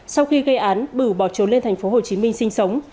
sau khi gây án bửu bỏ trốn lên thành phố hồ chí minh sinh sống